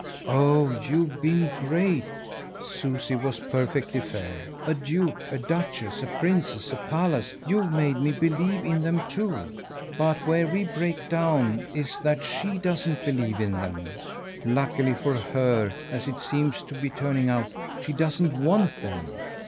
"Oh you've been great" Susie was perfectly fair. "A duke, a duchess, a princess, a palace: you've made me believe in them too. But where we break down is that SHE doesn't believe in them. Luckily for her as it seems to be turning out she doesn't want them.